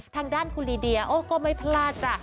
ทางด้านคุณลีเดียโอ้ก็ไม่พลาดจ้ะ